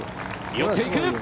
寄っていく！